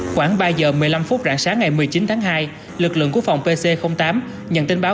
khoảng ba giờ một mươi năm phút rạng sáng ngày một mươi chín tháng hai lực lượng của phòng pc tám nhận tin báo